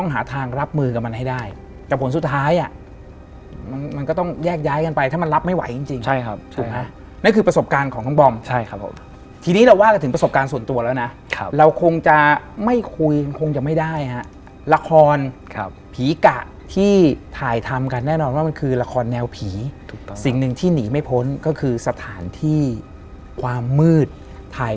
เหลือแค่บ้านตัวอย่างหลังสุดท้าย